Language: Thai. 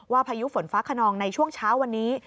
พายุฝนฟ้าขนองในช่วงเช้าวันนี้